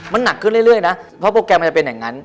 มันหนักขึ้นเรื่อยนะเพราะโปรแกรมมันจะเป็นอย่างนั้น